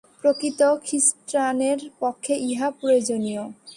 প্রকৃত খ্রীষ্টানের পক্ষে ইহা প্রয়োজনীয়।